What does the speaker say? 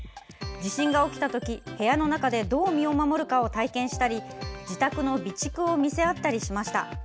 地震が起きた時、部屋の中でどう身を守るかを体験したり自宅の備蓄を見せ合ったりしました。